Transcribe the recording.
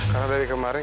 karena dari kemarin